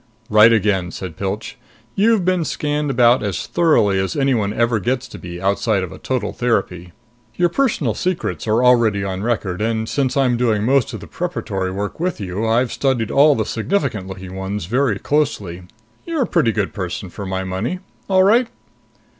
"Right again," said Pilch. "You've been scanned about as thoroughly as anyone ever gets to be outside of a total therapy. Your personal secrets are already on record, and since I'm doing most of the preparatory work with you, I've studied all the significant looking ones very closely. You're a pretty good person, for my money. All right?"